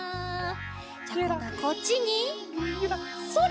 じゃあこんどはこっちにそれ！